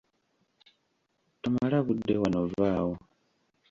Tomala budde wano vaawo.